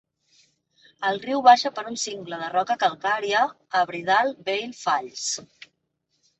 El riu baixa per un cingle de roca calcària a Bridal Veil Falls.